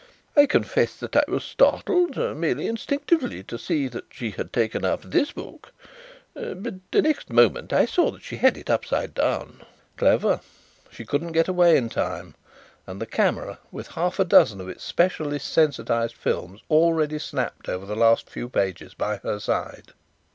I confess that I was startled merely instinctively to see that she had taken up this book, but the next moment I saw that she had it upside down." "Clever! She couldn't get it away in time. And the camera, with half a dozen of its specially sensitized films already snapped over the last few pages, by her side!"